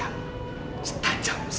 akhirnya kayak kehamet gitu